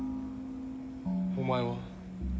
お前は？